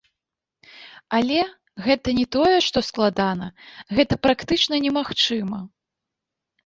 Але, гэта не тое што складана, гэта практычна немагчыма.